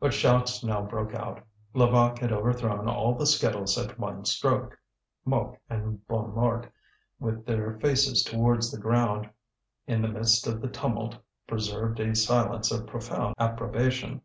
But shouts now broke out. Levaque had overthrown all the skittles at one stroke. Mouque and Bonnemort, with their faces towards the ground, in the midst of the tumult preserved a silence of profound approbation.